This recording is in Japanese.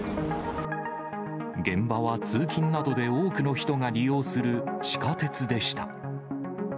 現場は通勤などで多くの人が利用する地下鉄でした。